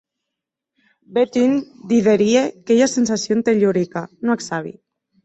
Bèth un diderie qu'ei ua sensacion tellurica, non ac sabi.